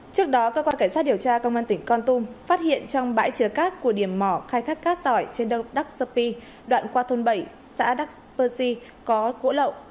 trước đó cơ quan cảnh sát điều tra công an tỉnh con tum phát hiện trong bãi chứa cát của điểm mỏ khai thác cát sỏi trên đông duxbury đoạn qua thôn bảy xã duxbury có gỗ lậu